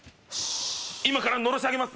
今からのろし上げます。